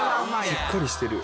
しっかりしてる。